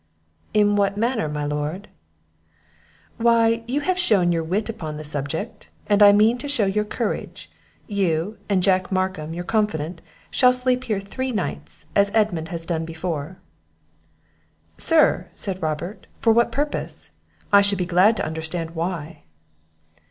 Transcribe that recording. "In what manner, my lord?" "Why, you have shewn your wit upon the subject, and I mean to show your courage; you, and Jack Markham your confident, shall sleep here three nights, as Edmund has done before." "Sir," said Sir Robert, "for what purpose? I should be glad to understand why."